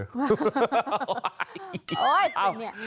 โอ๊ยอะไรเนี่ย